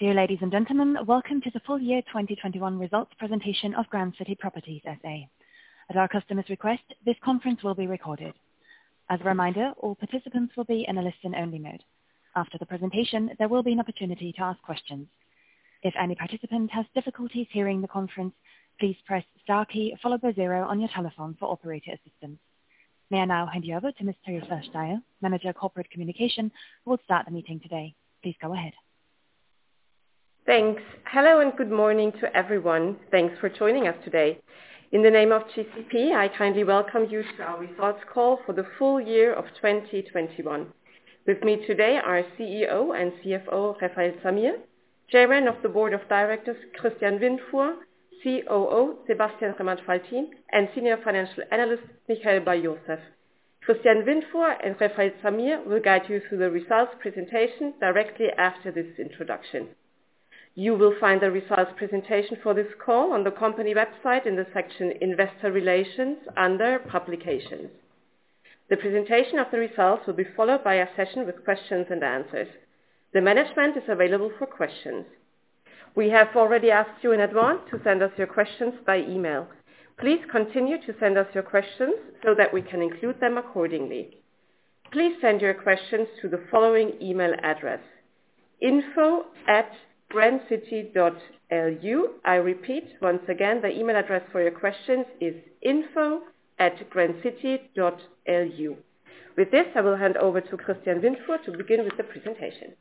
Dear ladies and gentlemen, welcome to the full year 2021 results presentation of Grand City Properties S.A. At our customer's request, this conference will be recorded. As a reminder, all participants will be in a listen-only mode. After the presentation, there will be an opportunity to ask questions. If any participant has difficulties hearing the conference, please press star key followed by zero on your telephone for operator assistance. May I now hand you over to Ms. Theresa Steier, Manager of Corporate Communication, who will start the meeting today. Please go ahead. Thanks. Hello, and good morning to everyone. Thanks for joining us today. In the name of GCP, I kindly welcome you to our results call for the full year of 2021. With me today are CEO and CFO Refael Zamir, Chairman of the Board of Directors Christian Windfuhr, COO Sebastian Remmert-Faltin, and Senior Financial Analyst Michael Bar-Yosef. Christian Windfuhr and Refael Zamir will guide you through the results presentation directly after this introduction. You will find the results presentation for this call on the company website in the section Investor Relations under Publications. The presentation of the results will be followed by a session with questions and answers. The management is available for questions. We have already asked you in advance to send us your questions by email. Please continue to send us your questions so that we can include them accordingly. Please send your questions to the following email address: info@grandcity.lu. I repeat once again, the email address for your questions is info@grandcity.lu. With this, I will hand over to Christian Windfuhr to begin with the presentation.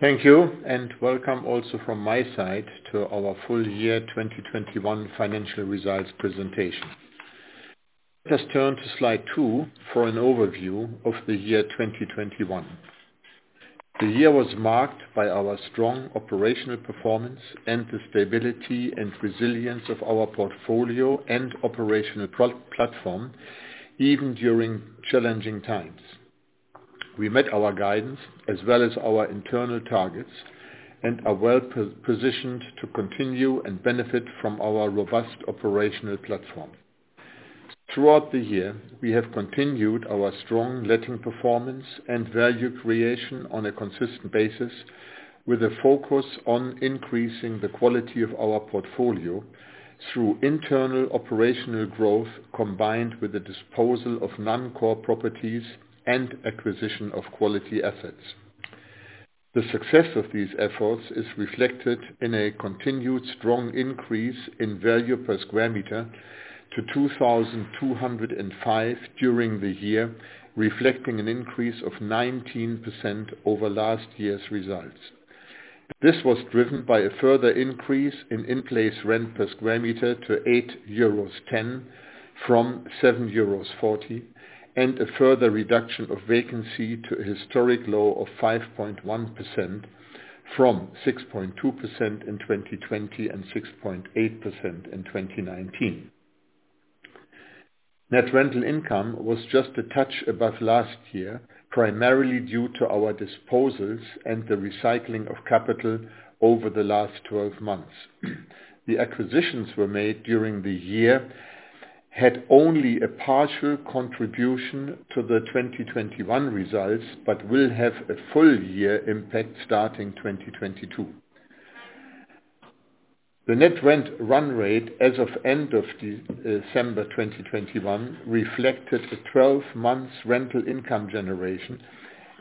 Thank you, and welcome also from my side to our full year 2021 financial results presentation. Let's turn to slide two for an overview of the year 2021. The year was marked by our strong operational performance and the stability and resilience of our portfolio and operational platform, even during challenging times. We met our guidance as well as our internal targets and are well positioned to continue and benefit from our robust operational platform. Throughout the year, we have continued our strong letting performance and value creation on a consistent basis with a focus on increasing the quality of our portfolio through internal operational growth, combined with the disposal of non-core properties and acquisition of quality assets. The success of these efforts is reflected in a continued strong increase in value per sq m to 2,005 during the year, reflecting an increase of 19% over last year's results. This was driven by a further increase in in-place rent per sq m to 8.10 euros from 7.40 euros, and a further reduction of vacancy to a historic low of 5.1% from 6.2% in 2020 and 6.8% in 2019. Net rental income was just a touch above last year, primarily due to our disposals and the recycling of capital over the last twelve months. The acquisitions were made during the year had only a partial contribution to the 2021 results, but will have a full year impact starting 2022. The net rent run rate as of end of December 2021 reflected a 12-month rental income generation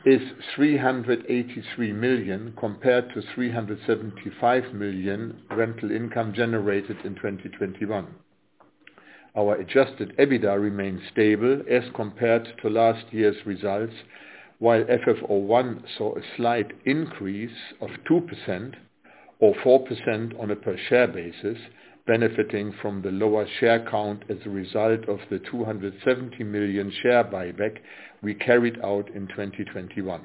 of 383 million compared to 375 million rental income generated in 2021. Our Adjusted EBITDA remains stable as compared to last year's results, while FFO I saw a slight increase of 2% or 4% on a per share basis, benefiting from the lower share count as a result of the 270 million share buyback we carried out in 2021.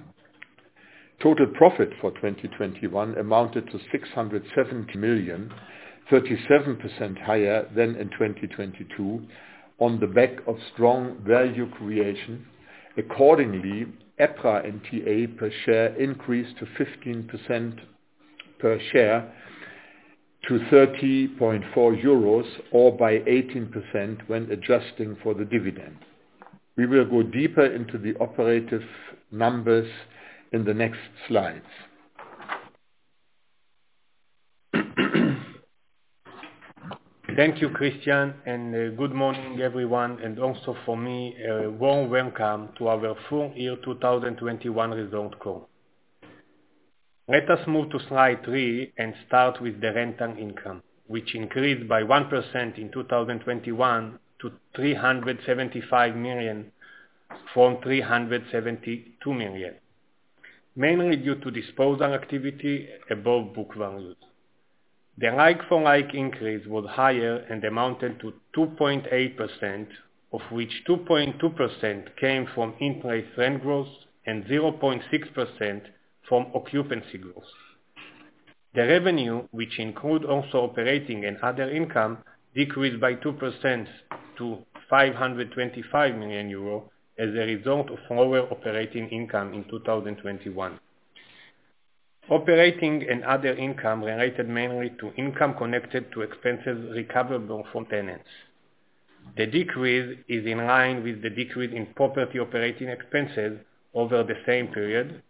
Total profit for 2021 amounted to 670 million, 37% higher than in 2020 on the back of strong value creation. Accordingly, EPRA NTA per share increased 15% per share to 30.4 euros or by 18% when adjusting for the dividend. We will go deeper into the operating numbers in the next slides. Thank you, Christian, and good morning, everyone. Also from me, a warm welcome to our full year 2021 result call. Let us move to slide three and start with the rental income, which increased by 1% in 2021 to 375 million from 372 million, mainly due to disposal activity above book values. The like-for-like increase was higher and amounted to 2.8%, of which 2.2% came from in-place rent growth and 0.6% from occupancy growth. The revenue, which include also operating and other income, decreased by 2% to 525 million euro as a result of lower operating income in 2021. Operating and other income related mainly to income connected to expenses recoverable from tenants. The decrease is in line with the decrease in property operating expenses over the same period,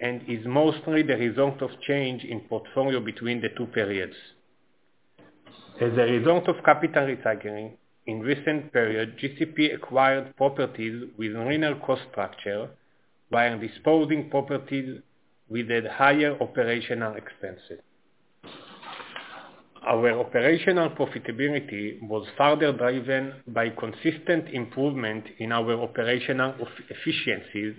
and is mostly the result of change in portfolio between the two periods. As a result of capital recycling, in recent period, GCP acquired properties with leaner cost structure while disposing properties with a higher operational expenses. Our operational profitability was further driven by consistent improvement in our operational efficiencies,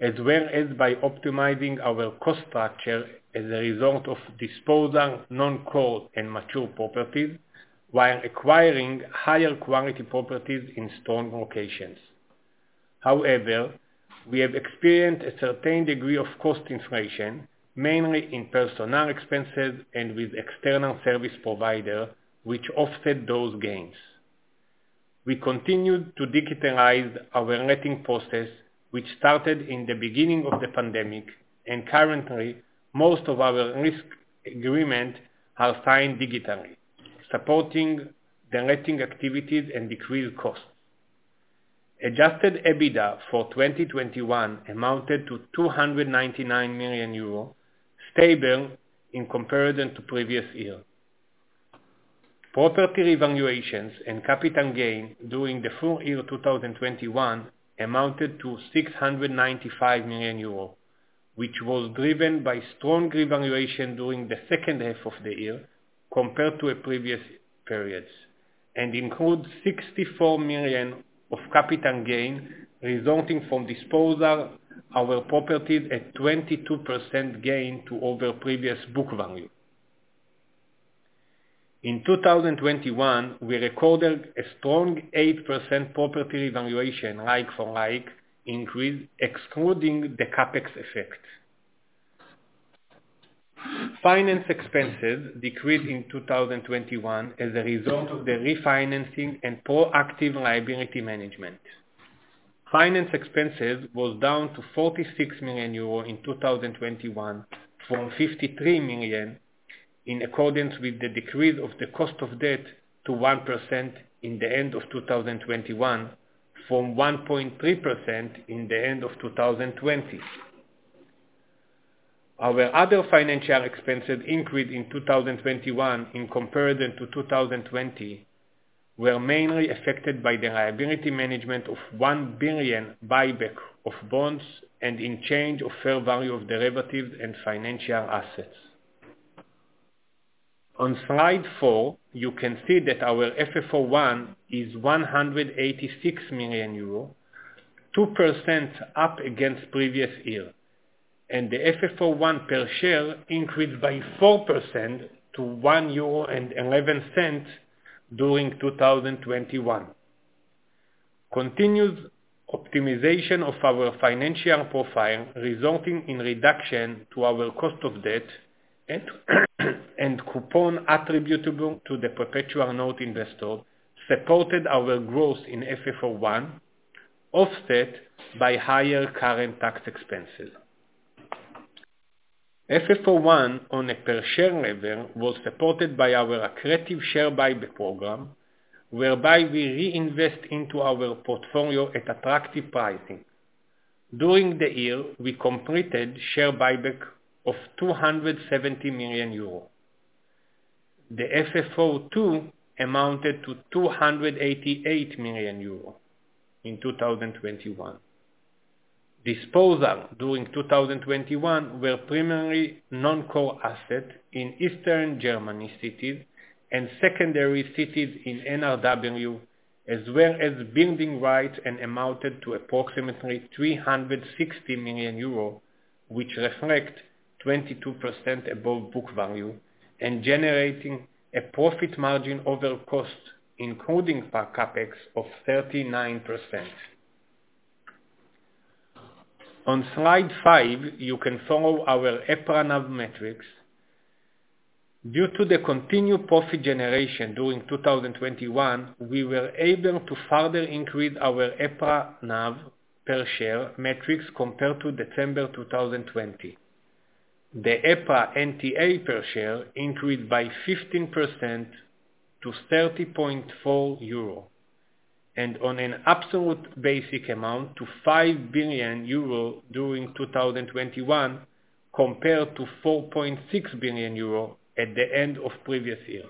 as well as by optimizing our cost structure as a result of disposal non-core and mature properties, while acquiring higher quality properties in strong locations. However, we have experienced a certain degree of cost inflation, mainly in personnel expenses and with external service provider, which offset those gains. We continued to digitalize our letting process, which started in the beginning of the pandemic, and currently, most of our lease agreements are signed digitally, supporting the letting activities and decrease costs. Adjusted EBITDA for 2021 amounted to 299 million euro, stable in comparison to previous year. Property valuations and capital gain during the full year 2021 amounted to 695 million euros, which was driven by strong revaluation during the second half of the year compared to previous periods, and includes 64 million of capital gain resulting from disposal of our properties at 22% gain over previous book value. In 2021, we recorded a strong 8% property valuation like for like increase, excluding the CapEx effect. Finance expenses decreased in 2021 as a result of the refinancing and proactive liability management. Finance expenses was down to 46 million euro in 2021 from 53 million, in accordance with the decrease of the cost of debt to 1% in the end of 2021 from 1.3% in the end of 2020. Our other financial expenses increased in 2021 in comparison to 2020, were mainly affected by the liability management of 1 billion buyback of bonds and in change of fair value of derivatives and financial assets. On slide four, you can see that our FFO I is 186 million euro, 2% up against previous year, and the FFO I per share increased by 4% to 1.11 euro during 2021. Continued optimization of our financial profile resulting in reduction to our cost of debt and coupon attributable to the perpetual note investor, supported our growth in FFO I, offset by higher current tax expenses. FFO I on a per share level was supported by our accretive share buyback program, whereby we reinvest into our portfolio at attractive pricing. During the year, we completed share buyback of 270 million euro. The FFO II amounted to 288 million euro in 2021. Disposal during 2021 were primarily non-core asset in Eastern Germany cities and secondary cities in NRW, as well as building right and amounted to approximately 360 million euro, which reflect 22% above book value and generating a profit margin over cost including our CapEx of 39%. On slide five, you can follow our EPRA NAV metrics. Due to the continued profit generation during 2021, we were able to further increase our EPRA NAV per share metrics compared to December 2020. The EPRA NTA per share increased by 15% to 30.4 euro, and on an absolute basis amount to 5 billion euro during 2021, compared to 4.6 billion euro at the end of previous year.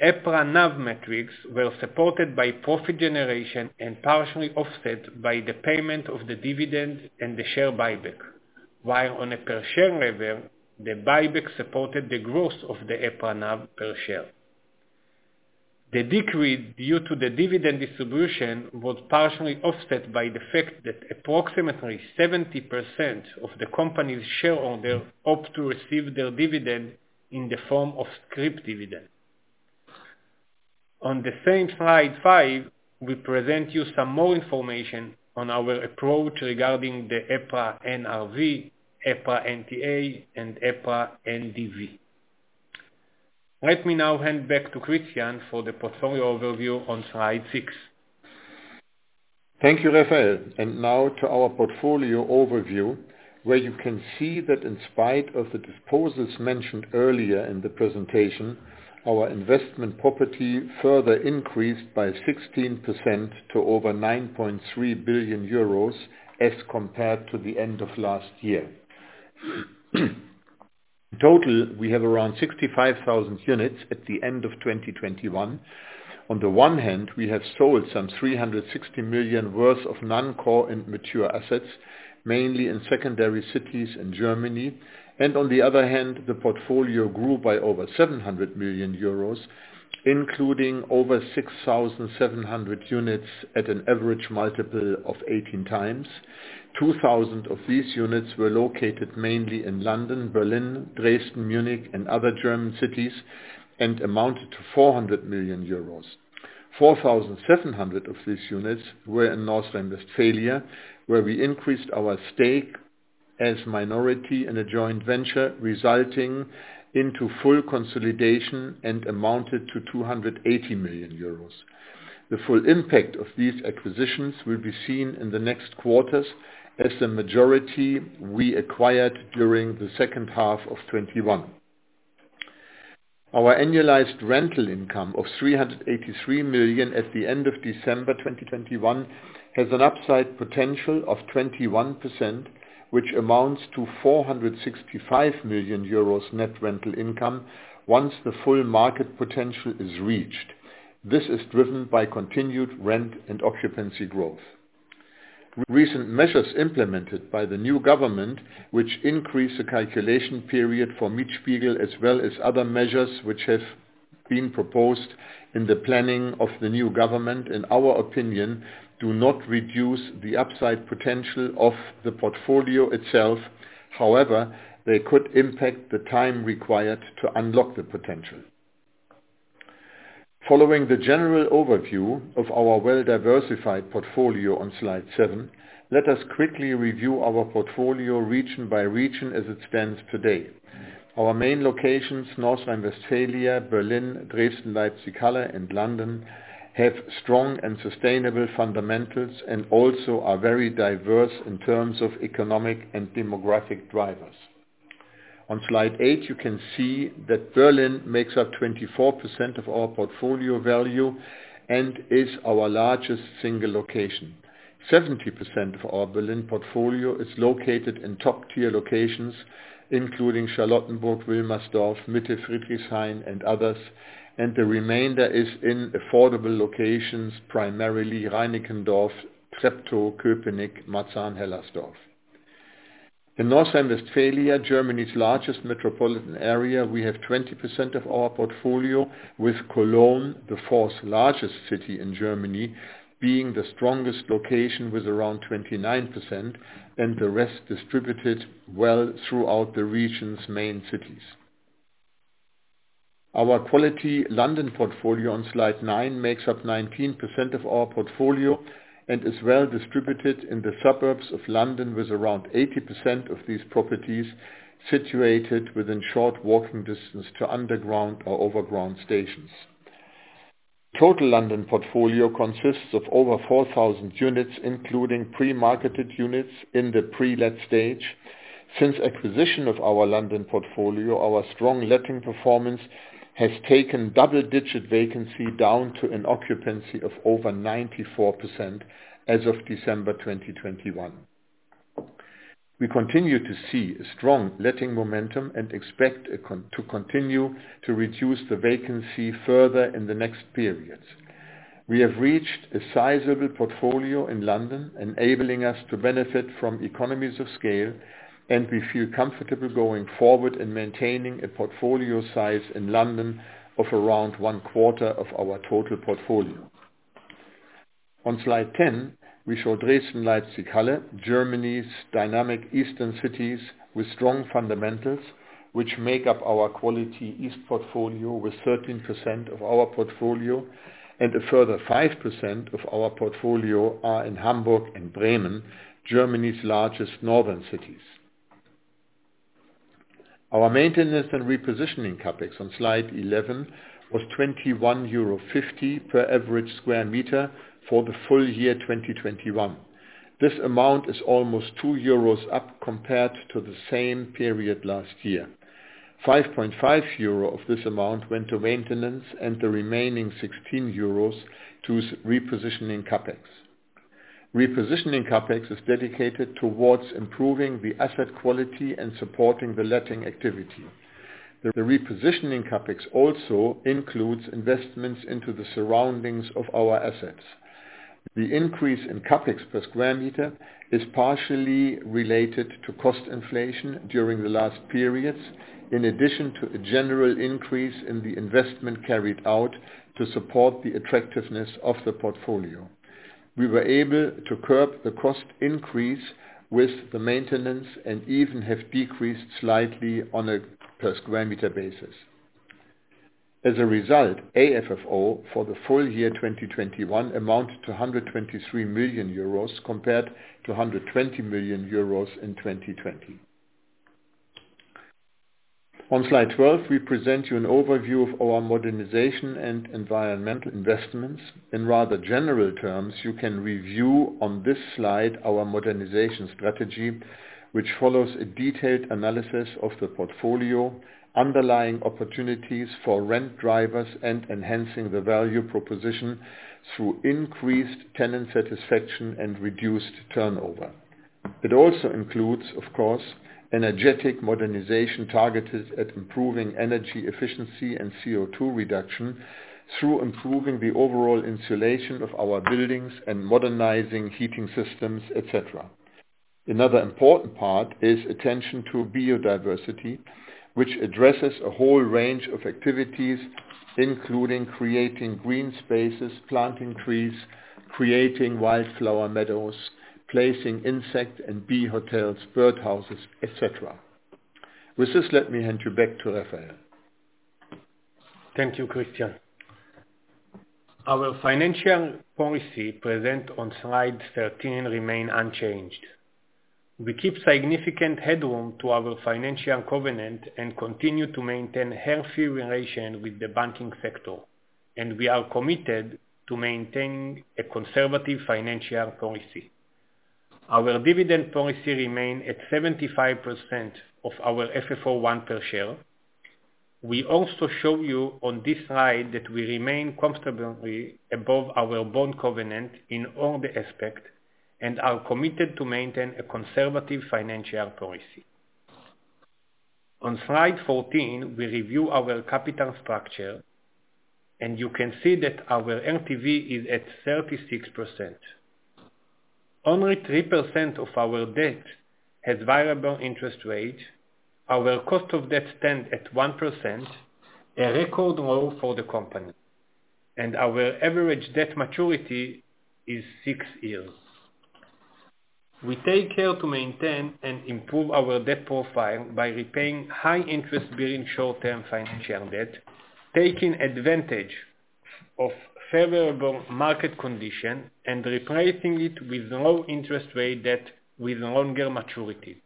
EPRA NAV metrics were supported by profit generation and partially offset by the payment of the dividends and the share buyback, while on a per share level, the buyback supported the growth of the EPRA NAV per share. The decrease due to the dividend distribution was partially offset by the fact that approximately 70% of the company's shareholders opted to receive their dividend in the form of scrip dividend. On the same slide five, we present you some more information on our approach regarding the EPRA NRV, EPRA NTA and EPRA NDV. Let me now hand back to Christian for the portfolio overview on slide six. Thank you, Rafael. Now to our portfolio overview, where you can see that in spite of the disposals mentioned earlier in the presentation, our investment property further increased by 16% to over 9.3 billion euros as compared to the end of last year. Total, we have around 65,000 units at the end of 2021. On the one hand, we have sold some 360 million worth of non-core and mature assets, mainly in secondary cities in Germany. On the other hand, the portfolio grew by over 700 million euros, including over 6,700 units at an average multiple of 18x. 2,000 of these units were located mainly in London, Berlin, Dresden, Munich and other German cities, and amounted to 400 million euros. 4,700 of these units were in North Rhine-Westphalia, where we increased our stake as minority in a joint venture, resulting into full consolidation and amounted to 280 million euros. The full impact of these acquisitions will be seen in the next quarters as the majority we acquired during the second half of 2021. Our annualized rental income of 383 million at the end of December 2021 has an upside potential of 21%, which amounts to 465 million euros net rental income once the full market potential is reached. This is driven by continued rent and occupancy growth. Recent measures implemented by the new government, which increase the calculation period for Mietspiegel, as well as other measures which have been proposed in the planning of the new government, in our opinion, do not reduce the upside potential of the portfolio itself. However, they could impact the time required to unlock the potential. Following the general overview of our well-diversified portfolio on slide seven, let us quickly review our portfolio region by region as it stands today. Our main locations, North Rhine-Westphalia, Berlin, Dresden, Leipzig-Halle, and London, have strong and sustainable fundamentals and also are very diverse in terms of economic and demographic drivers. On slide eight, you can see that Berlin makes up 24% of our portfolio value and is our largest single location. 70% of our Berlin portfolio is located in top-tier locations, including Charlottenburg, Wilmersdorf, Mitte, Friedrichshain, and others, and the remainder is in affordable locations, primarily Reinickendorf, Treptow, Köpenick, Marzahn-Hellersdorf. In North Rhine-Westphalia, Germany's largest metropolitan area, we have 20% of our portfolio, with Cologne, the fourth largest city in Germany, being the strongest location with around 29%, and the rest distributed well throughout the region's main cities. Our quality London portfolio on slide nine makes up 19% of our portfolio and is well distributed in the suburbs of London, with around 80% of these properties situated within short walking distance to Underground or overground stations. Total London portfolio consists of over 4,000 units, including pre-marketed units in the pre-let stage. Since acquisition of our London portfolio, our strong letting performance has taken double-digit vacancy down to an occupancy of over 94% as of December 2021. We continue to see a strong letting momentum and expect it to continue to reduce the vacancy further in the next periods. We have reached a sizable portfolio in London, enabling us to benefit from economies of scale, and we feel comfortable going forward in maintaining a portfolio size in London of around one quarter of our total portfolio. On slide 10, we show Dresden, Leipzig-Halle, Germany's dynamic eastern cities with strong fundamentals, which make up our quality East portfolio with 13% of our portfolio and a further 5% of our portfolio are in Hamburg and Bremen, Germany's largest northern cities. Our maintenance and repositioning CapEx on slide 11 was 21.50 euro per average sq m for the full year 2021. This amount is almost 2 euros up compared to the same period last year. 5.5 euro of this amount went to maintenance and the remaining 16 euros to repositioning CapEx. Repositioning CapEx is dedicated towards improving the asset quality and supporting the letting activity. The repositioning CapEx also includes investments into the surroundings of our assets. The increase in CapEx per sq m is partially related to cost inflation during the last periods, in addition to a general increase in the investment carried out to support the attractiveness of the portfolio. We were able to curb the cost increase with the maintenance and even have decreased slightly on a per sq m basis. As a result, AFFO for the full year 2021 amounted to 123 million euros compared to 120 million euros in 2020. On slide 12, we present you an overview of our modernization and environmental investments. In rather general terms, you can review on this slide our modernization strategy, which follows a detailed analysis of the portfolio, underlying opportunities for rent drivers and enhancing the value proposition through increased tenant satisfaction and reduced turnover. It also includes, of course, energetic modernization targeted at improving energy efficiency and CO₂ reduction through improving the overall insulation of our buildings and modernizing heating systems, et cetera. Another important part is attention to biodiversity, which addresses a whole range of activities, including creating green spaces, planting trees, creating wildflower meadows, placing insect and bee hotels, birdhouses, et cetera. With this, let me hand you back to Rafael. Thank you, Christian. Our financial policy present on slide 13 remain unchanged. We keep significant headroom to our financial covenant and continue to maintain healthy relation with the banking sector, and we are committed to maintain a conservative financial policy. Our dividend policy remain at 75% of our FFO I per share. We also show you on this slide that we remain comfortably above our bond covenant in all the aspect and are committed to maintain a conservative financial policy. On slide 14, we review our capital structure, and you can see that our LTV is at 36%. Only 3% of our debt has variable interest rate. Our cost of debt stand at 1%, a record low for the company. Our average debt maturity is six years. We take care to maintain and improve our debt profile by repaying high interest bearing short-term financial debt, taking advantage of favorable market condition and replacing it with low interest rate debt with longer maturity.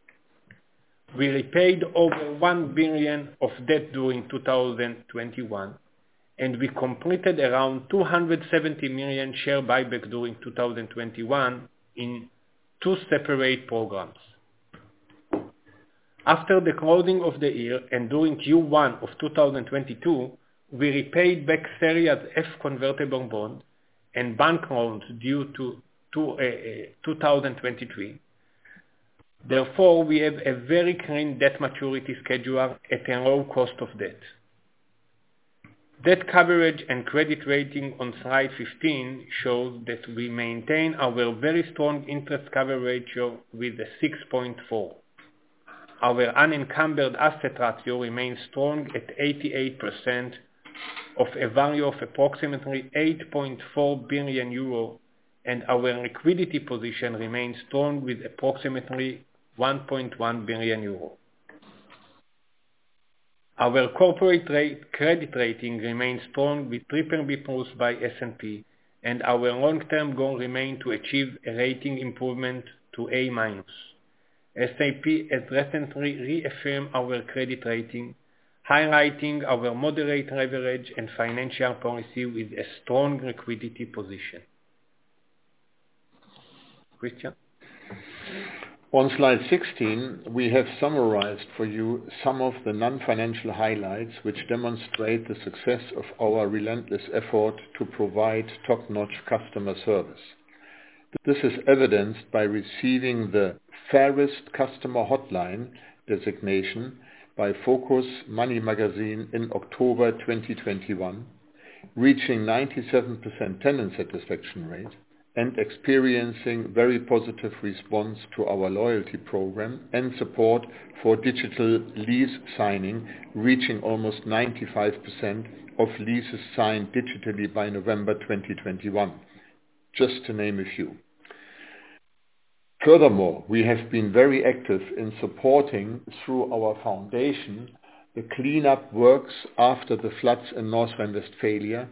We repaid over 1 billion of debt during 2021, and we completed around 270 million share buyback during 2021 in two separate programs. After the closing of the year and during Q1 of 2022, we repaid back Series F convertible bond and bank loans due in 2023. Therefore, we have a very clean debt maturity schedule at a low cost of debt. Debt coverage and credit rating on slide 15 show that we maintain our very strong interest cover ratio with a 6.4. Our unencumbered asset ratio remains strong at 88% of a value of approximately 8.4 billion euro, and our liquidity position remains strong with approximately 1.1 billion euro. Our corporate rate credit rating remains strong with BBB+ by S&P, and our long-term goal remain to achieve a rating improvement to A-. S&P has recently reaffirmed our credit rating, highlighting our moderate leverage and financial policy with a strong liquidity position. Christian. On slide 16, we have summarized for you some of the non-financial highlights which demonstrate the success of our relentless effort to provide top-notch customer service. This is evidenced by receiving the fairest customer hotline designation by Focus Money magazine in October 2021, reaching 97% tenant satisfaction rate, and experiencing very positive response to our loyalty program and support for digital lease signing, reaching almost 95% of leases signed digitally by November 2021, just to name a few. Furthermore, we have been very active in supporting, through our foundation, the cleanup works after the floods in North Rhine-Westphalia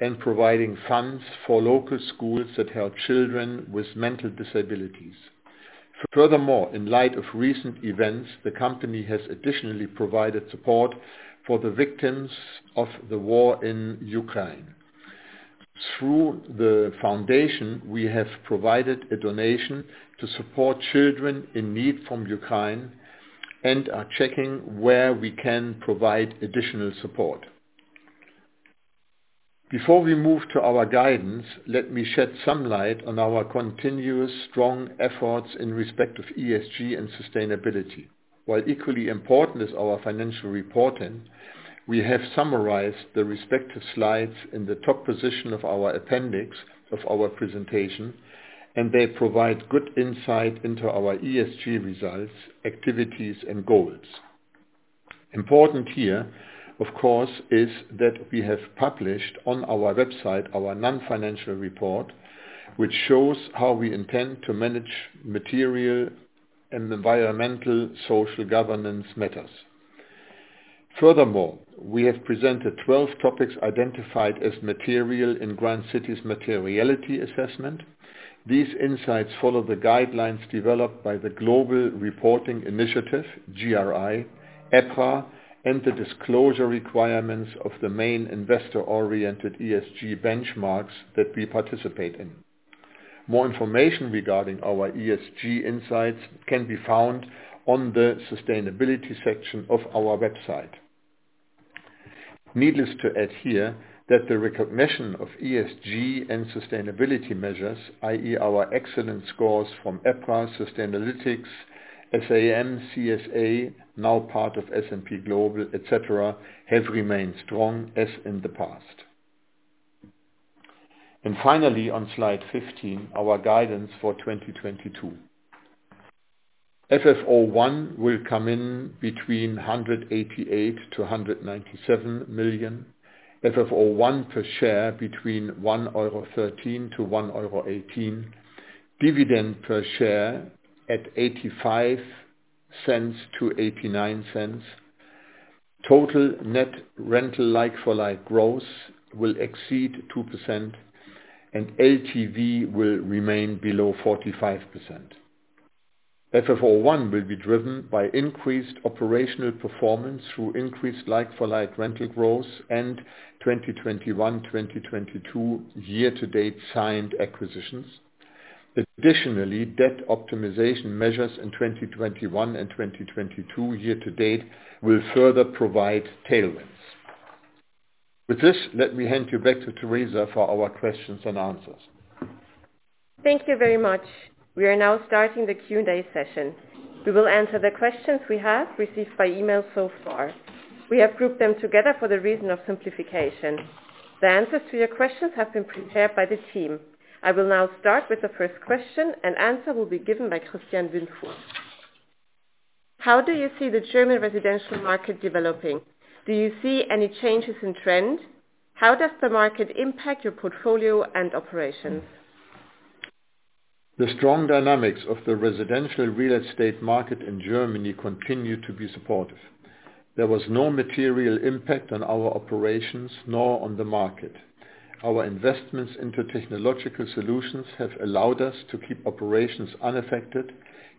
and providing funds for local schools that help children with mental disabilities. Furthermore, in light of recent events, the company has additionally provided support for the victims of the war in Ukraine. Through the foundation, we have provided a donation to support children in need from Ukraine and are checking where we can provide additional support. Before we move to our guidance, let me shed some light on our continuous strong efforts in respect of ESG and sustainability. While equally important is our financial reporting, we have summarized the respective slides in the top position of our appendix of our presentation, and they provide good insight into our ESG results, activities and goals. Important here, of course, is that we have published on our website our non-financial report, which shows how we intend to manage material and environmental social governance matters. Furthermore, we have presented 12 topics identified as material in Grand City's materiality assessment. These insights follow the guidelines developed by the Global Reporting Initiative, GRI, EPRA, and the disclosure requirements of the main investor-oriented ESG benchmarks that we participate in. More information regarding our ESG insights can be found on the sustainability section of our website. Needless to add here that the recognition of ESG and sustainability measures, i.e., our excellent scores from EPRA, Sustainalytics, SAM, CSA, now part of S&P Global, etc., have remained strong as in the past. Finally, on slide 15, our guidance for 2022. FFO I will come in between 188 million and 197 million. FFO I per share between 1.13 euro and 1.18 euro. Dividend per share at 0.85 to 0.89. Total net rental like-for-like growth will exceed 2%, and LTV will remain below 45%. FFO I will be driven by increased operational performance through increased like-for-like rental growth and 2021, 2022 year-to-date signed acquisitions. Additionally, debt optimization measures in 2021 and 2022 year to date will further provide tailwinds. With this, let me hand you back to Theresa for our questions and answers. Thank you very much. We are now starting the Q&A session. We will answer the questions we have received by email so far. We have grouped them together for the reason of simplification. The answers to your questions have been prepared by the team. I will now start with the first question, and answer will be given by Christian Windfuhr. How do you see the German residential market developing? Do you see any changes in trend? How does the market impact your portfolio and operations? The strong dynamics of the residential real estate market in Germany continue to be supportive. There was no material impact on our operations, nor on the market. Our investments into technological solutions have allowed us to keep operations unaffected,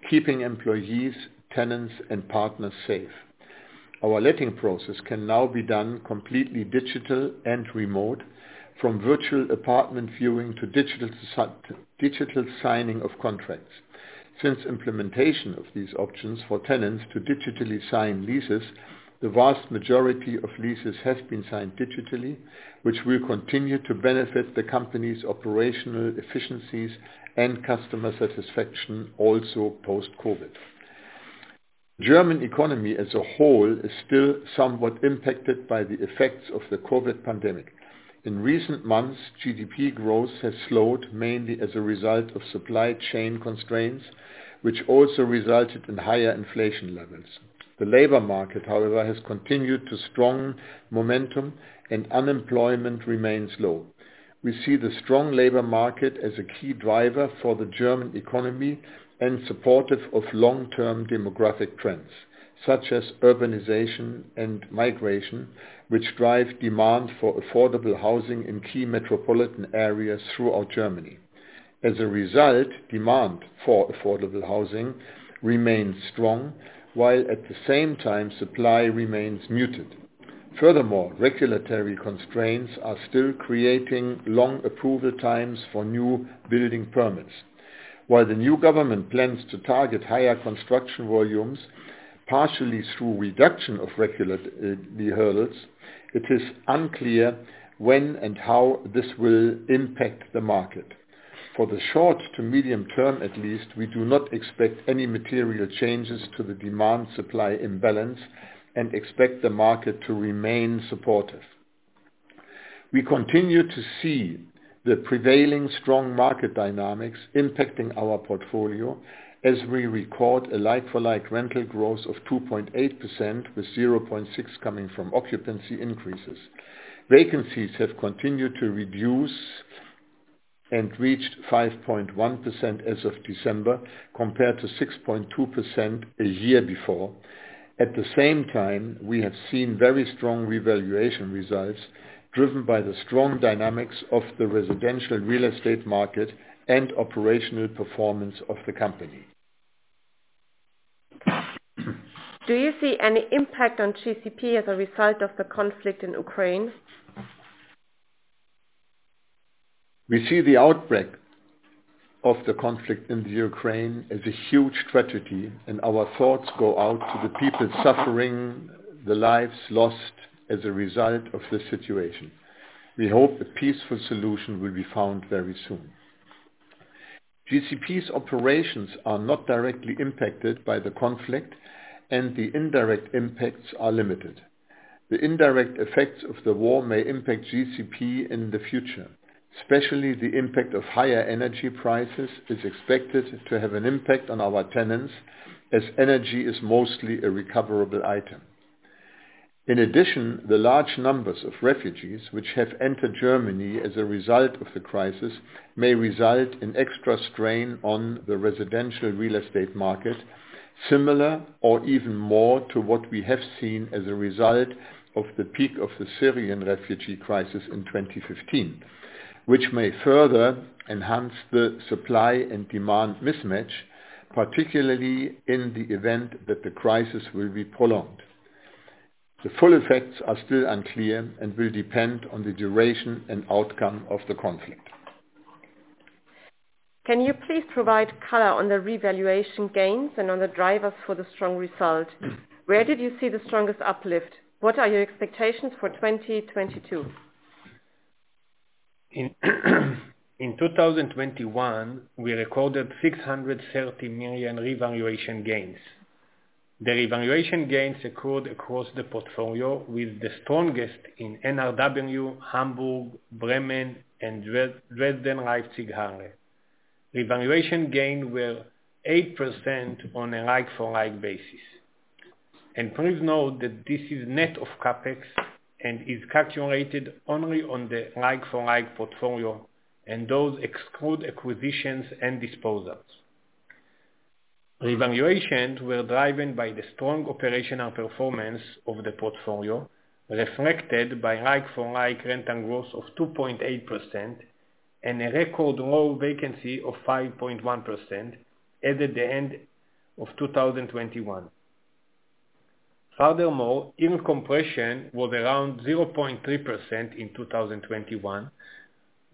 keeping employees, tenants, and partners safe. Our letting process can now be done completely digital and remote, from virtual apartment viewing to digital signing of contracts. Since implementation of these options for tenants to digitally sign leases, the vast majority of leases have been signed digitally, which will continue to benefit the company's operational efficiencies and customer satisfaction also post-COVID. The German economy as a whole is still somewhat impacted by the effects of the COVID pandemic. In recent months, GDP growth has slowed, mainly as a result of supply chain constraints, which also resulted in higher inflation levels. The labor market, however, has continued to show strong momentum, and unemployment remains low. We see the strong labor market as a key driver for the German economy and supportive of long-term demographic trends, such as urbanization and migration, which drive demand for affordable housing in key metropolitan areas throughout Germany. As a result, demand for affordable housing remains strong, while at the same time supply remains muted. Furthermore, regulatory constraints are still creating long approval times for new building permits. While the new government plans to target higher construction volumes, partially through reduction of regulatory hurdles, it is unclear when and how this will impact the market. For the short to medium term, at least, we do not expect any material changes to the demand-supply imbalance and expect the market to remain supportive. We continue to see the prevailing strong market dynamics impacting our portfolio as we record a like-for-like rental growth of 2.8%, with 0.6% coming from occupancy increases. Vacancies have continued to reduce and reached 5.1% as of December, compared to 6.2% a year before. At the same time, we have seen very strong revaluation results driven by the strong dynamics of the residential real estate market and operational performance of the company. Do you see any impact on GCP as a result of the conflict in Ukraine? We see the outbreak of the conflict in the Ukraine as a huge tragedy, and our thoughts go out to the people suffering the lives lost as a result of this situation. We hope a peaceful solution will be found very soon. GCP's operations are not directly impacted by the conflict, and the indirect impacts are limited. The indirect effects of the war may impact GCP in the future, especially the impact of higher energy prices is expected to have an impact on our tenants as energy is mostly a recoverable item. In addition, the large numbers of refugees which have entered Germany as a result of the crisis may result in extra strain on the residential real estate market, similar or even more to what we have seen as a result of the peak of the Syrian refugee crisis in 2015, which may further enhance the supply and demand mismatch, particularly in the event that the crisis will be prolonged. The full effects are still unclear and will depend on the duration and outcome of the conflict. Can you please provide color on the revaluation gains and on the drivers for the strong result? Where did you see the strongest uplift? What are your expectations for 2022? In 2021, we recorded 630 million revaluation gains. The revaluation gains occurred across the portfolio with the strongest in NRW, Hamburg, Bremen, and Dresden/Leipzig/Halle. Revaluation gains were 8% on a like-for-like basis. Please note that this is net of CapEx and is calculated only on the like-for-like portfolio, and those exclude acquisitions and disposals. Revaluations were driven by the strong operational performance of the portfolio, reflected by like-for-like rental growth of 2.8% and a record low vacancy of 5.1% as at the end of 2021. Furthermore, yield compression was around 0.3% in 2021,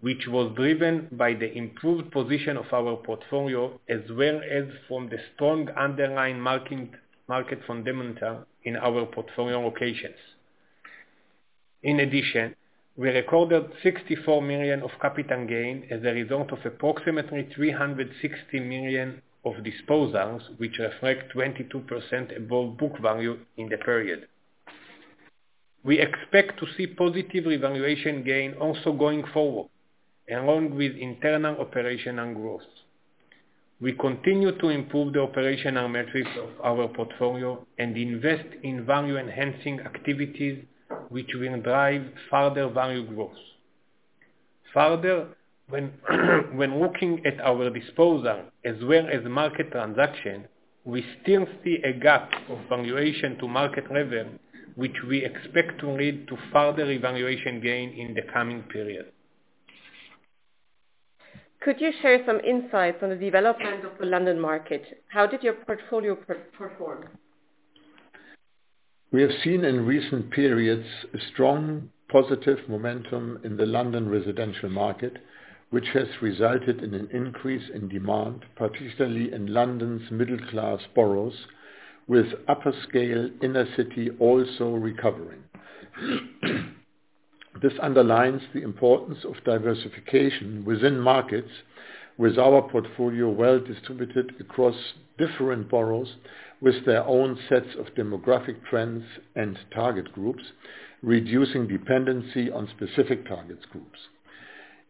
which was driven by the improved position of our portfolio, as well as from the strong underlying market fundamentals in our portfolio locations. In addition, we recorded 64 million of capital gain as a result of approximately 360 million of disposals, which reflect 22% above book value in the period. We expect to see positive revaluation gain also going forward, along with internal operational growth. We continue to improve the operational metrics of our portfolio and invest in value-enhancing activities, which will drive further value growth. Further, when looking at our disposals as well as market transactions, we still see a gap of valuation to market level, which we expect to lead to further revaluation gain in the coming period. Could you share some insights on the development of the London market? How did your portfolio perform? We have seen in recent periods a strong positive momentum in the London residential market, which has resulted in an increase in demand, particularly in London's middle class boroughs, with upscale inner city also recovering. This underlines the importance of diversification within markets with our portfolio well distributed across different boroughs with their own sets of demographic trends and target groups, reducing dependency on specific target groups.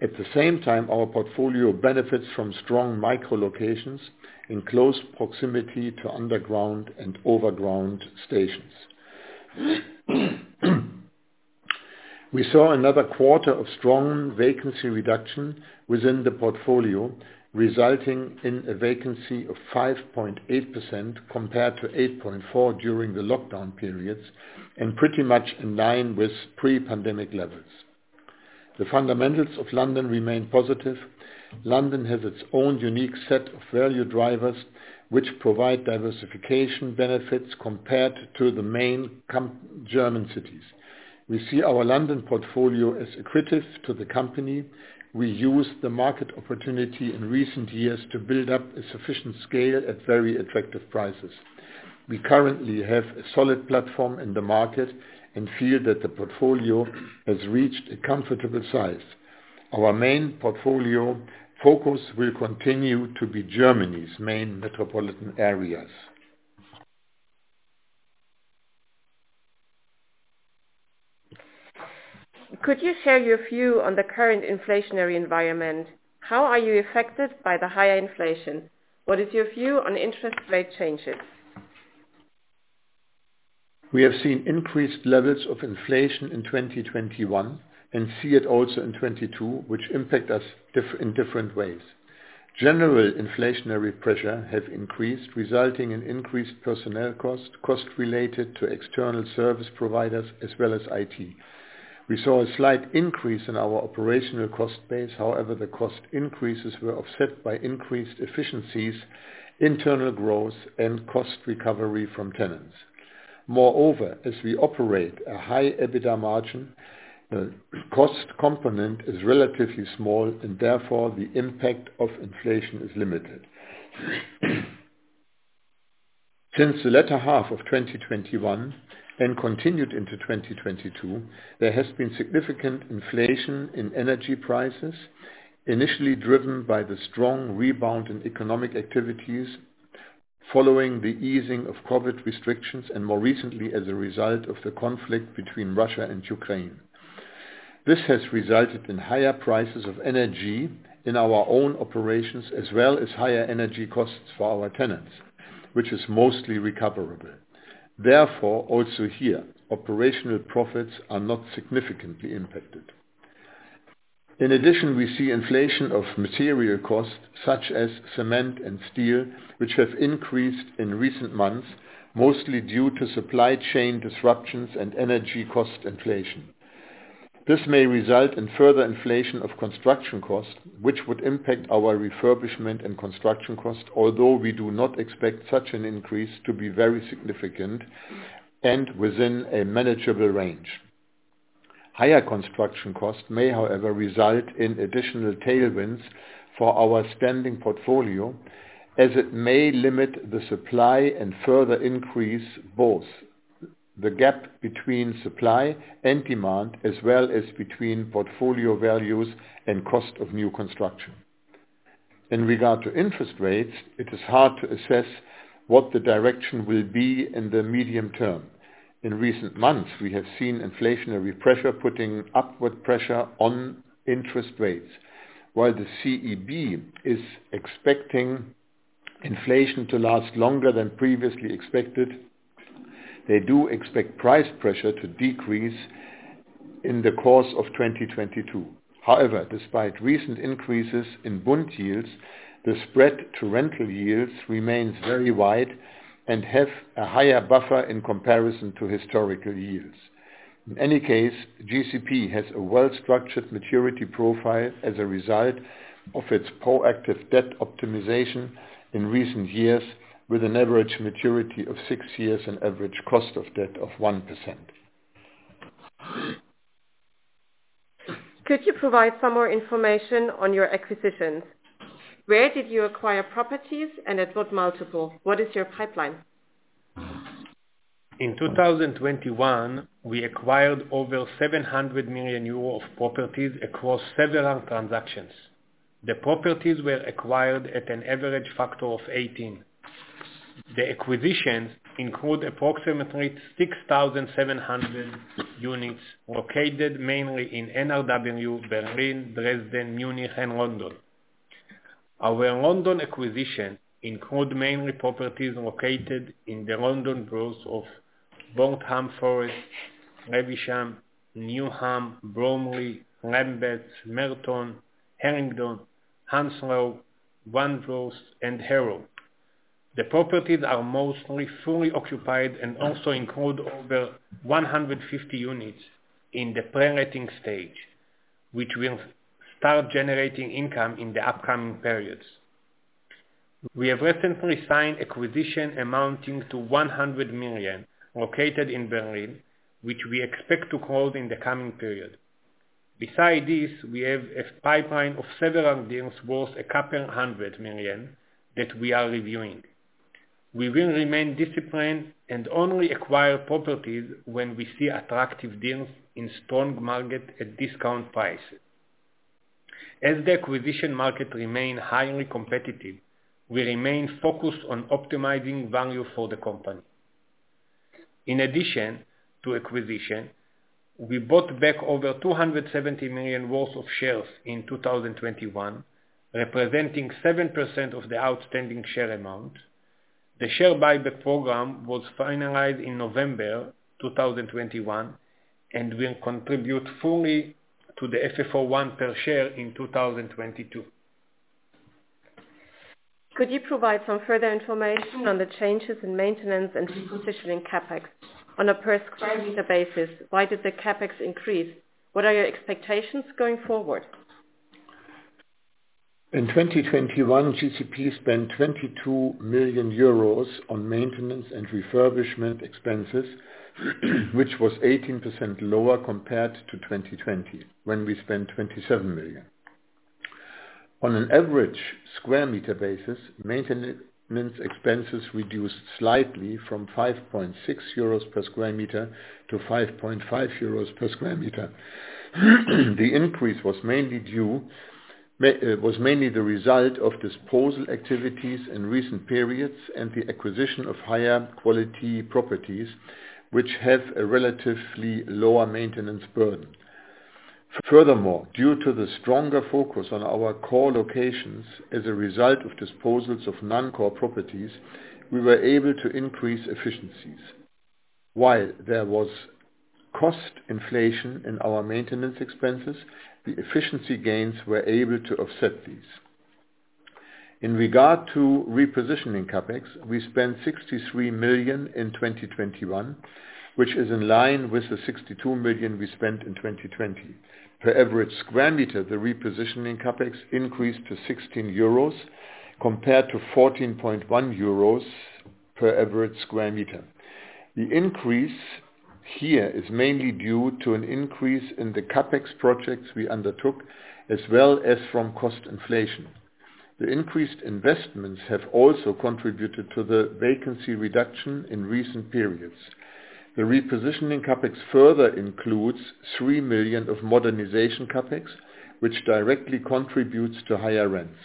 At the same time, our portfolio benefits from strong micro locations in close proximity to underground and overground stations. We saw another quarter of strong vacancy reduction within the portfolio, resulting in a vacancy of 5.8% compared to 8.4% during the lockdown periods and pretty much in line with pre-pandemic levels. The fundamentals of London remain positive. London has its own unique set of value drivers, which provide diversification benefits compared to the main German cities. We see our London portfolio as accretive to the company. We used the market opportunity in recent years to build up a sufficient scale at very attractive prices. We currently have a solid platform in the market and feel that the portfolio has reached a comfortable size. Our main portfolio focus will continue to be Germany's main metropolitan areas. Could you share your view on the current inflationary environment? How are you affected by the higher inflation? What is your view on interest rate changes? We have seen increased levels of inflation in 2021 and see it also in 2022, which impact us in different ways. General inflationary pressure have increased, resulting in increased personnel costs related to external service providers, as well as IT. We saw a slight increase in our operational cost base. However, the cost increases were offset by increased efficiencies, internal growth, and cost recovery from tenants. Moreover, as we operate a high EBITDA margin, cost component is relatively small and therefore the impact of inflation is limited. Since the latter half of 2021 and continued into 2022, there has been significant inflation in energy prices, initially driven by the strong rebound in economic activities following the easing of COVID restrictions and more recently as a result of the conflict between Russia and Ukraine. This has resulted in higher prices of energy in our own operations, as well as higher energy costs for our tenants, which is mostly recoverable. Therefore, also here, operational profits are not significantly impacted. In addition, we see inflation of material costs, such as cement and steel, which have increased in recent months, mostly due to supply chain disruptions and energy cost inflation. This may result in further inflation of construction costs, which would impact our refurbishment and construction costs, although we do not expect such an increase to be very significant and within a manageable range. Higher construction costs may, however, result in additional tailwinds for our standing portfolio, as it may limit the supply and further increase both the gap between supply and demand, as well as between portfolio values and cost of new construction. In regard to interest rates, it is hard to assess what the direction will be in the medium term. In recent months, we have seen inflationary pressure putting upward pressure on interest rates. While the ECB is expecting inflation to last longer than previously expected, they do expect price pressure to decrease in the course of 2022. However, despite recent increases in bond yields, the spread to rental yields remains very wide and have a higher buffer in comparison to historical yields. In any case, GCP has a well-structured maturity profile as a result of its proactive debt optimization in recent years, with an average maturity of six years and average cost of debt of 1%. Could you provide some more information on your acquisitions? Where did you acquire properties, and at what multiple? What is your pipeline? In 2021, we acquired over 700 million euro of properties across several transactions. The properties were acquired at an average factor of 18. The acquisitions include approximately 6,700 units located mainly in NRW, Berlin, Dresden, Munich, and London. Our London acquisition include mainly properties located in the London boroughs of Waltham Forest, Havering, Newham, Bromley, Lambeth, Merton, Haringey, Hounslow, Wandsworth, and Harrow. The properties are mostly fully occupied and also include over 150 units in the pre-letting stage, which will start generating income in the upcoming periods. We have recently signed acquisition amounting to 100 million located in Berlin, which we expect to close in the coming period. Besides this, we have a pipeline of several deals worth a couple hundred million that we are reviewing. We will remain disciplined and only acquire properties when we see attractive deals in strong market at discount prices. As the acquisition market remain highly competitive, we remain focused on optimizing value for the company. In addition to acquisition, we bought back over 270 million worth of shares in 2021, representing 7% of the outstanding share amount. The share buyback program was finalized in November 2021 and will contribute fully to the FFO I per share in 2022. Could you provide some further information on the changes in maintenance and repositioning CapEx? On a per square meter basis, why did the CapEx increase? What are your expectations going forward? In 2021, GCP spent 22 million euros on maintenance and refurbishment expenses, which was 18% lower compared to 2020, when we spent 27 million. On an average square meter basis, maintenance expenses reduced slightly from 5.6 euros per sq m to 5.5 euros per sq m. The decrease was mainly the result of disposal activities in recent periods and the acquisition of higher quality properties, which have a relatively lower maintenance burden. Furthermore, due to the stronger focus on our core locations as a result of disposals of non-core properties, we were able to increase efficiencies. While there was cost inflation in our maintenance expenses, the efficiency gains were able to offset these. In regard to repositioning CapEx, we spent 63 million in 2021, which is in line with the 62 million we spent in 2020. Per average square meter, the repositioning CapEx increased to 16 euros compared to 14.1 euros per average square meter. The increase here is mainly due to an increase in the CapEx projects we undertook, as well as from cost inflation. The increased investments have also contributed to the vacancy reduction in recent periods. The repositioning CapEx further includes 3 million of modernization CapEx, which directly contributes to higher rents.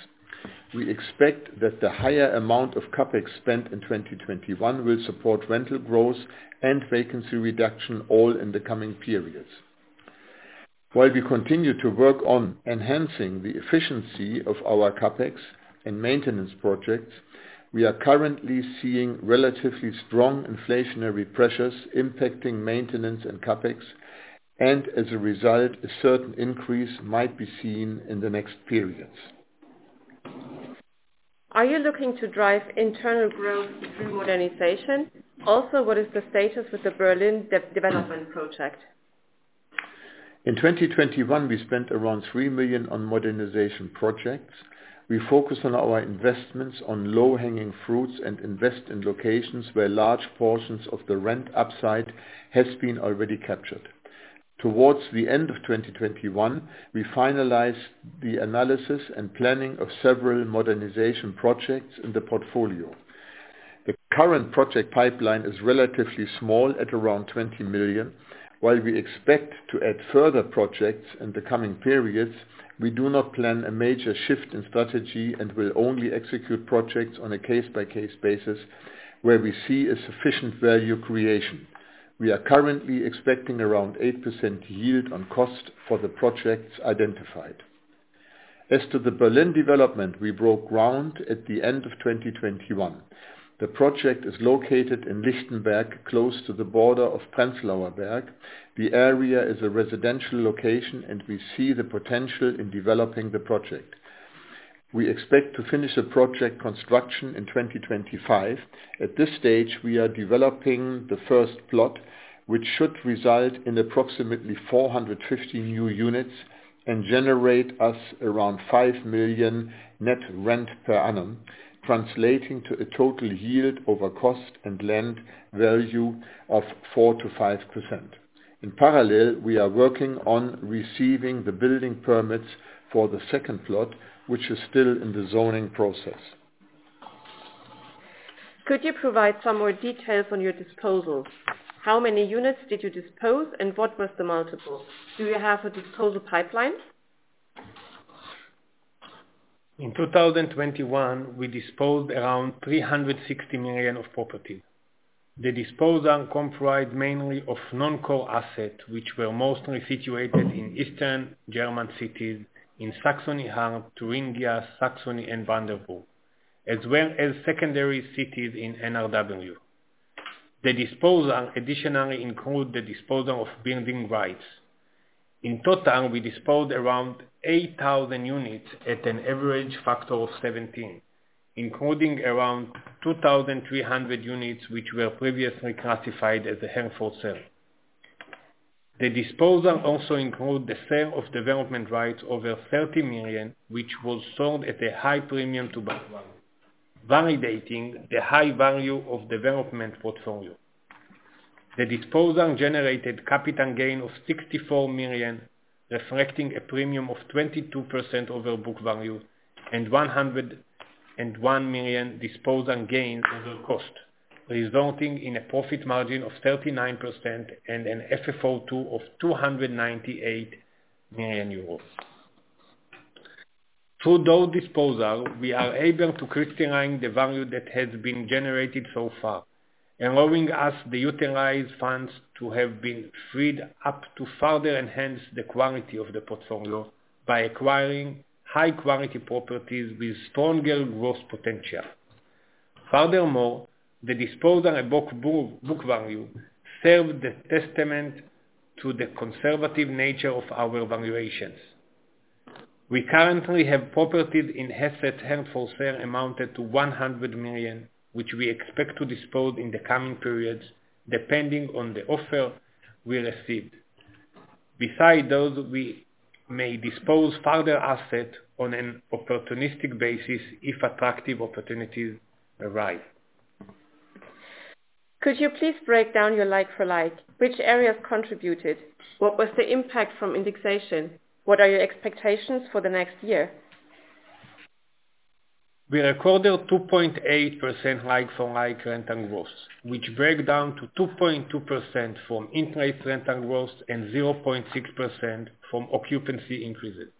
We expect that the higher amount of CapEx spent in 2021 will support rental growth and vacancy reduction all in the coming periods. While we continue to work on enhancing the efficiency of our CapEx and maintenance projects, we are currently seeing relatively strong inflationary pressures impacting maintenance and CapEx, and as a result, a certain increase might be seen in the next periods. Are you looking to drive internal growth through modernization? Also, what is the status with the Berlin development project? In 2021, we spent around 3 million on modernization projects. We focus on our investments on low-hanging fruits and invest in locations where large portions of the rent upside has been already captured. Towards the end of 2021, we finalized the analysis and planning of several modernization projects in the portfolio. The current project pipeline is relatively small at around 20 million. While we expect to add further projects in the coming periods, we do not plan a major shift in strategy and will only execute projects on a case-by-case basis where we see a sufficient value creation. We are currently expecting around 8% yield on cost for the projects identified. As to the Berlin development, we broke ground at the end of 2021. The project is located in Lichtenberg, close to the border of Prenzlauer Berg. The area is a residential location, and we see the potential in developing the project. We expect to finish the project construction in 2025. At this stage, we are developing the first plot, which should result in approximately 450 new units and generate us around 5 million net rent per annum, translating to a total yield over cost and land value of 4%-5%. In parallel, we are working on receiving the building permits for the second plot, which is still in the zoning process. Could you provide some more details on your disposal? How many units did you dispose, and what was the multiple? Do you have a disposal pipeline? In 2021, we disposed around 360 million of property. The disposal comprised mainly of non-core assets, which were mostly situated in Eastern German cities in Saxony-Anhalt, Thuringia, Saxony, and Brandenburg, as well as secondary cities in NRW. The disposal additionally includes the disposal of building rights. In total, we disposed around 8,000 units at an average factor of 17, including around 2,300 units, which were previously classified as held-for-sale. The disposal also includes the sale of development rights over 30 million, which was sold at a high premium to book value, validating the high value of development portfolio. The disposal generated capital gain of 64 million, reflecting a premium of 22% over book value and 101 million disposal gain over cost, resulting in a profit margin of 39% and an FFO II of EUR 298 million. Through those disposals, we are able to crystallize the value that has been generated so far, allowing us to utilize funds to have been freed up to further enhance the quality of the portfolio by acquiring high quality properties with stronger growth potential. Furthermore, the disposals above book value serve as testament to the conservative nature of our valuations. We currently have properties in assets held-for-sale amounted to 100 million, which we expect to dispose in the coming periods depending on the offer we receive. Besides those, we may dispose further assets on an opportunistic basis if attractive opportunities arise. Could you please break down your like-for-like, which areas contributed? What was the impact from indexation? What are your expectations for the next year? We recorded 2.8% like-for-like rental growth, which break down to 2.2% from in-place rental growth and 0.6% from occupancy increases.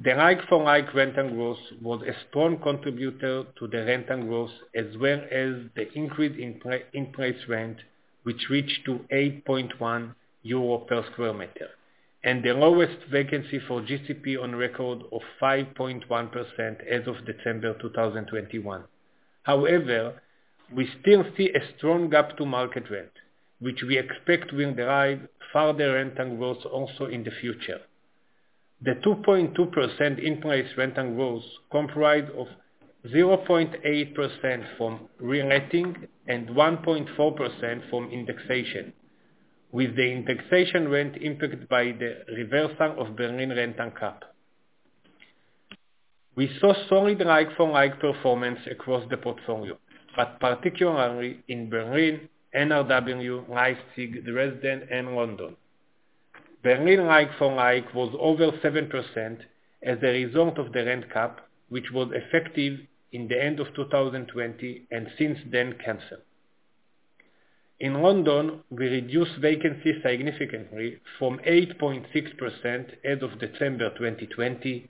The like-for-like rental growth was a strong contributor to the rental growth, as well as the increase in in-place rent, which reached to 8.1 euro per sq m, and the lowest vacancy for GCP on record of 5.1% as of December 2021. However, we still see a strong gap to market rent, which we expect will drive further rental growth also in the future. The 2.2% in-place rental growth comprise of 0.8% from re-letting and 1.4% from indexation, with the indexation rent impacted by the reversal of Berlin rent cap. We saw solid like-for-like performance across the portfolio, but particularly in Berlin, NRW, Leipzig, Dresden, and London. Berlin like-for-like was over 7% as a result of the rent cap, which was effective at the end of 2020 and since then canceled. In London, we reduced vacancy significantly from 8.6% as of December 2020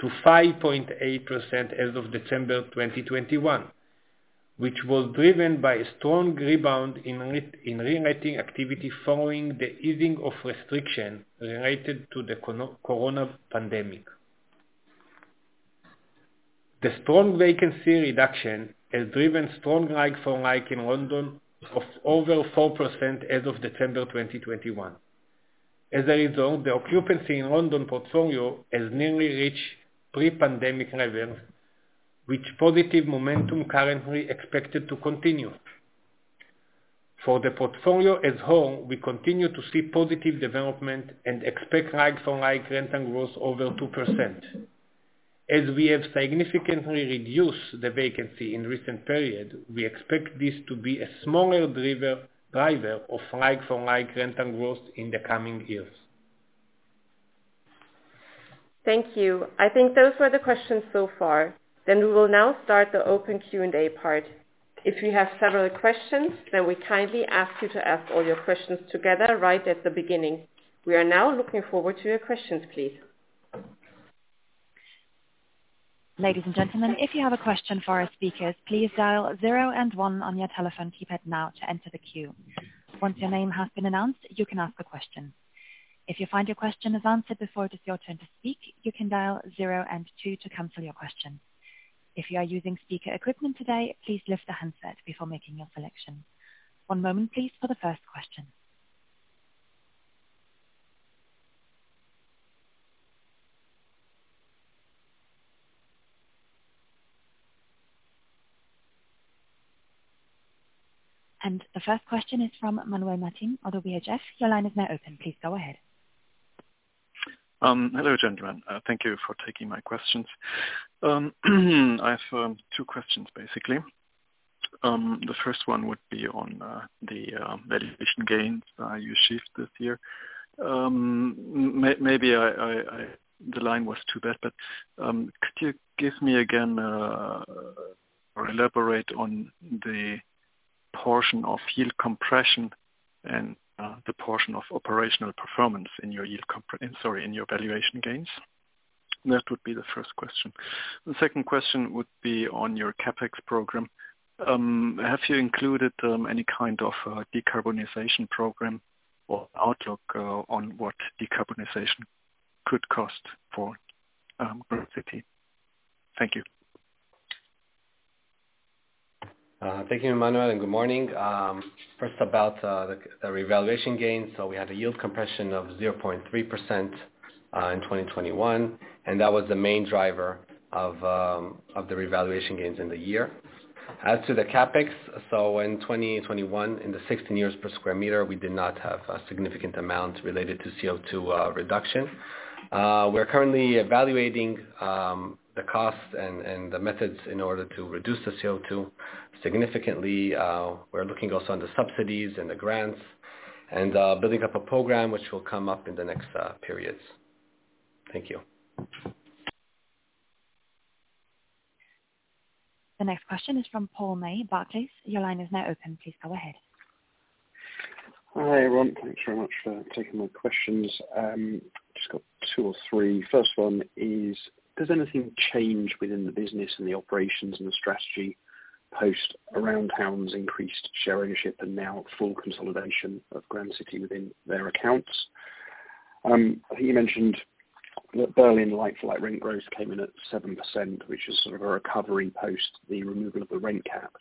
to 5.8% as of December 2021, which was driven by a strong rebound in re-letting activity following the easing of restrictions related to the corona pandemic. The strong vacancy reduction has driven strong like-for-like in London of over 4% as of December 2021. As a result, the occupancy in London portfolio has nearly reached pre-pandemic levels, with positive momentum currently expected to continue. For the portfolio as a whole, we continue to see positive development and expect like-for-like rental growth over 2%. As we have significantly reduced the vacancy in recent period, we expect this to be a smaller driver of like-for-like rental growth in the coming years. Thank you. I think those were the questions so far. We will now start the open Q&A part. If you have several questions, then we kindly ask you to ask all your questions together right at the beginning. We are now looking forward to your questions, please. Ladies and gentlemen, if you have a question for our speakers, please dial zero and one on your telephone keypad now to enter the queue. Once your name has been announced, you can ask a question. If you find your question is answered before it is your turn to speak, you can dial zero and two to cancel your question. If you are using speaker equipment today, please lift the handset before making your selection. One moment please for the first question. The first question is from Manuel Martin of UBS. Your line is now open. Please go ahead. Hello, gentlemen. Thank you for taking my questions. I have two questions, basically. The first one would be on the valuation gains you achieved this year. The line was too bad, but could you give me again or elaborate on the portion of yield compression and the portion of operational performance in your valuation gains? That would be the first question. The second question would be on your CapEx program. Have you included any kind of decarbonization program or outlook on what decarbonization could cost for Grand City? Thank you. Thank you, Manuel, and good morning. First about the revaluation gains. We had a yield compression of 0.3% in 2021, and that was the main driver of the revaluation gains in the year. As to the CapEx, in 2021, EUR 16 per sq m, we did not have a significant amount related to CO₂ reduction. We're currently evaluating the costs and the methods in order to reduce the CO₂ significantly. We're looking also on the subsidies and the grants and building up a program which will come up in the next periods. Thank you. The next question is from Paul May, Barclays. Your line is now open. Please go ahead. Hi, everyone. Thanks very much for taking my questions. Just got two or three. First one is, does anything change within the business and the operations and the strategy post Aroundtown's increased share ownership and now full consolidation of Grand City within their accounts? I think you mentioned that Berlin like-for-like rent growth came in at 7%, which is sort of a recovery post the removal of the rent cap.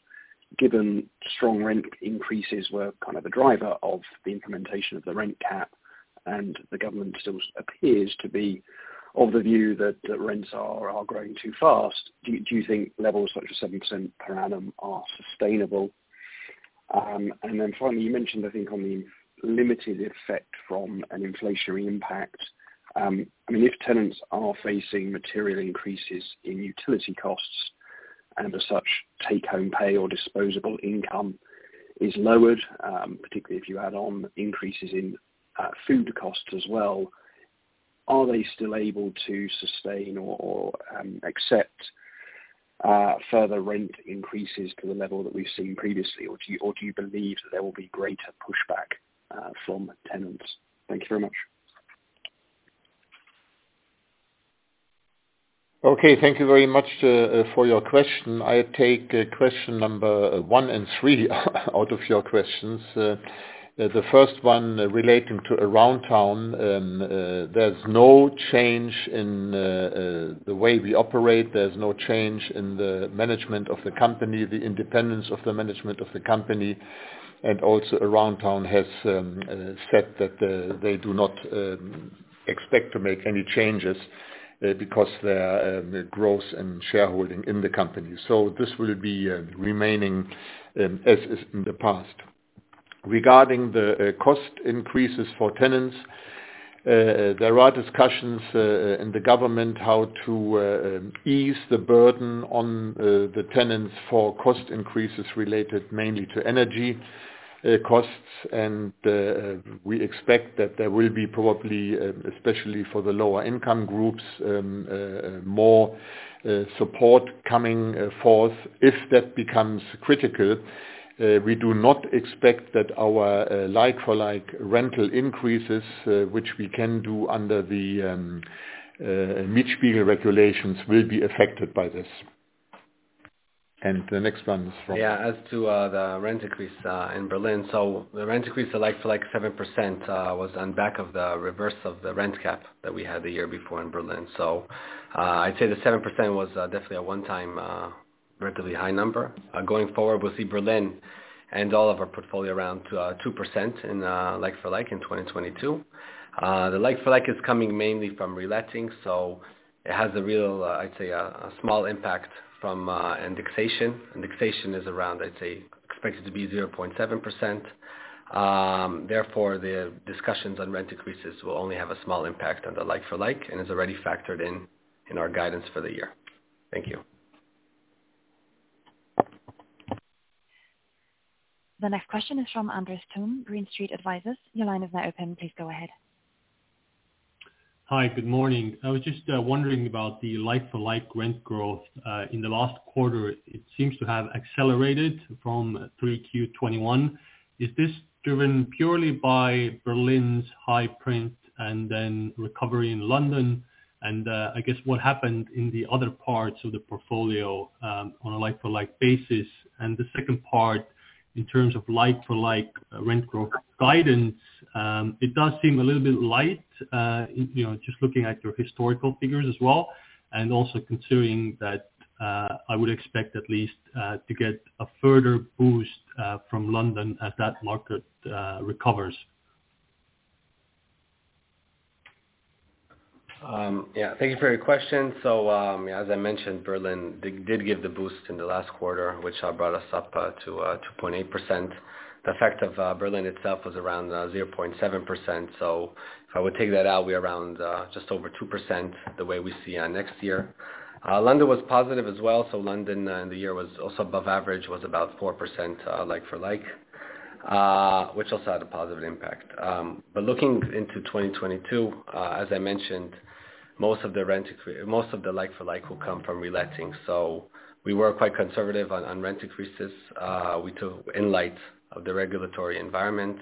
Given strong rent increases were kind of a driver of the implementation of the rent cap, and the government still appears to be of the view that rents are growing too fast. Do you think levels such as 7% per annum are sustainable? Finally, you mentioned, I think, on the limited effect from an inflationary impact. I mean, if tenants are facing material increases in utility costs, and as such, take-home pay or disposable income is lowered, particularly if you add on increases in food costs as well, are they still able to sustain or accept further rent increases to the level that we've seen previously? Or do you believe that there will be greater pushback from tenants? Thank you very much. Okay, thank you very much for your question. I take question number one and three out of your questions. The first one relating to Aroundtown, there's no change in the way we operate. There's no change in the management of the company, the independence of the management of the company. Aroundtown has said that they do not expect to make any changes because their growth and shareholding in the company. This will be remaining as is in the past. Regarding the cost increases for tenants, there are discussions in the government how to ease the burden on the tenants for cost increases related mainly to energy costs. We expect that there will be probably, especially for the lower income groups, more support coming forth if that becomes critical. We do not expect that our like-for-like rental increases, which we can do under the Mietendeckel regulations, will be affected by this. The next one is from. Yeah, as to the rent increase in Berlin. The rent increase of like-for-like 7% was on the back of the reverse of the rent cap that we had the year before in Berlin. I'd say the 7% was definitely a one-time, relatively high number. Going forward, we'll see Berlin and all of our portfolio around 2% in like-for-like in 2022. The like-for-like is coming mainly from reletting, so it has a real, I'd say, a small impact from indexation. Indexation is around, I'd say, expected to be 0.7%. Therefore, the discussions on rent increases will only have a small impact on the like-for-like and is already factored in our guidance for the year. Thank you. The next question is from Andres Tong, Green Street Advisors. Your line is now open. Please go ahead. Hi. Good morning. I was just wondering about the like-for-like rent growth in the last quarter. It seems to have accelerated from Q3 2021. Is this driven purely by Berlin's high inflation and then recovery in London? I guess what happened in the other parts of the portfolio on a like-for-like basis. The second part, in terms of like-for-like rent growth guidance, it does seem a little bit light, you know, just looking at your historical figures as well, and also considering that I would expect at least to get a further boost from London as that market recovers. Thank you for your question. As I mentioned, Berlin did give the boost in the last quarter, which brought us up to 2.8%. The effect of Berlin itself was around 0.7%. If I would take that out, we're around just over 2% the way we see next year. London was positive as well. London in the year was also above average, was about 4% like-for-like, which also had a positive impact. Looking into 2022, as I mentioned, most of the like-for-like will come from reletting. We were quite conservative on rent increases we took in light of the regulatory environment.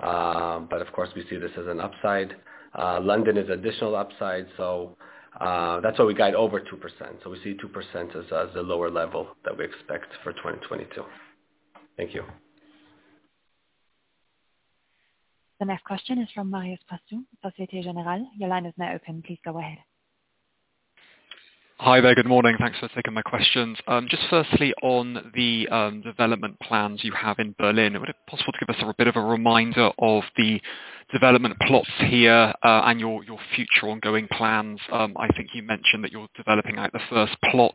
Of course we see this as an upside. London is additional upside, that's why we guide over 2%. We see 2% as the lower level that we expect for 2022. Thank you. The next question is from Marius Fuhrberg, Société Générale. Your line is now open. Please go ahead. Hi there. Good morning. Thanks for taking my questions. Just firstly on the development plans you have in Berlin, would it be possible to give us a bit of a reminder of the development plots here, and your future ongoing plans? I think you mentioned that you're developing out the first plot,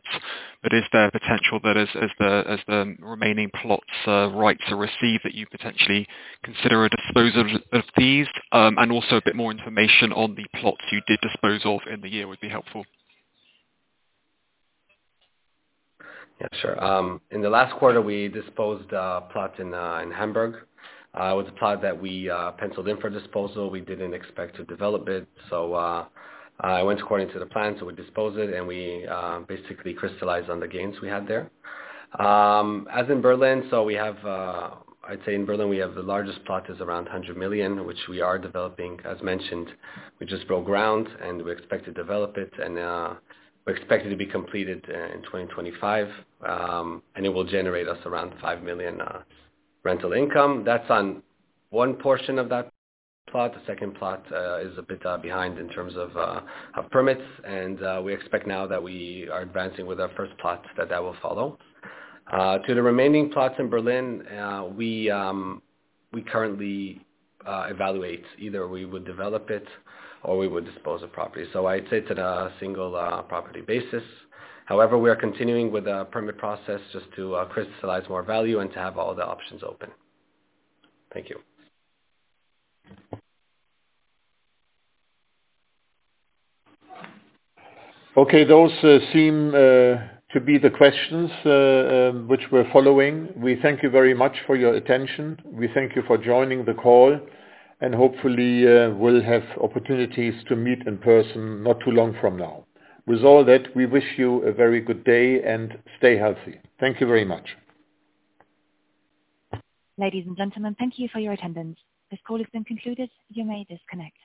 but is there potential that as the remaining plots right to receive that you potentially consider a dispose of these? Also a bit more information on the plots you did dispose of in the year would be helpful. Yeah, sure. In the last quarter, we disposed plots in Hamburg. It was a plot that we penciled in for disposal. We didn't expect to develop it, so it went according to the plan, so we disposed it, and we basically crystallized on the gains we had there. As in Berlin, we have. I'd say in Berlin, we have the largest plot is around 100 million, which we are developing. As mentioned, we just broke ground, and we expect to develop it. We're expecting to be completed in 2025. It will generate us around 5 million rental income. That's on one portion of that plot. The second plot is a bit behind in terms of of permits. We expect now that we are advancing with our first plot that will follow to the remaining plots in Berlin. We currently evaluate either we would develop it or we would dispose of the property. I'd say it's at a single property basis. However, we are continuing with the permit process just to crystallize more value and to have all the options open. Thank you. Okay. Those seem to be the questions which we're following. We thank you very much for your attention. We thank you for joining the call, and hopefully, we'll have opportunities to meet in person not too long from now. With all that, we wish you a very good day, and stay healthy. Thank you very much. Ladies and gentlemen, thank you for your attendance. This call has been concluded. You may disconnect.